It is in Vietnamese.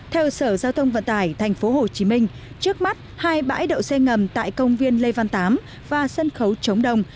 theo sở giao thông vận tải tp hcm trước mắt hai bãi đậu xe ngầm tại công viên lê văn tám và sân khấu chống đồng